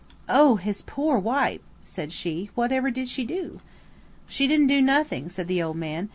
"Oh, his poor wife," said Alice, "whatever did she do?" "She didn't do nothing," said the old man.